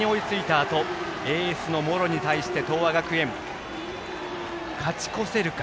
あとエースの茂呂に対して、東亜学園勝ち越せるか。